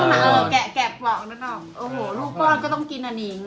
โอหระลูกป้อนก็ต้องกินนางนีง